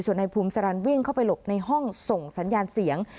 ส่วนนายภูมิสารันวิ่งเข้าไปหลบในห้องส่งสัญญาณเสียง